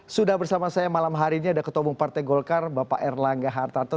sudah bersama saya malam hari ini ada ketua umum partai golkar bapak erlangga hartarto